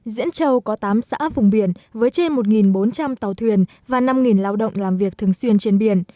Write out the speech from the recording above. diễn châu có tám xã vùng biển với trên một bốn trăm linh tàu thuyền và năm lao động làm việc thường xuyên trên biển